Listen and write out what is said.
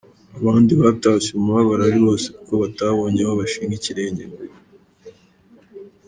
abandi batashye umubabaro ari wose kuko batabonye aho bashinga ikirenge ngo.